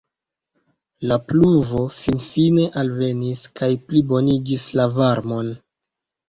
La pluvo finfine alvenis, kaj plibonigis la varmon.